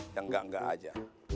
yang gak nggak aja